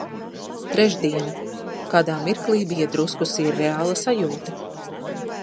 Trešdiena. Kādā mirklī bija drusku sirreāla sajūta.